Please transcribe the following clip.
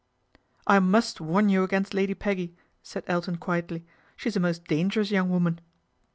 " I must warn you against Lady Peggy," said Elton quietly. " She's a most dangerous young woman."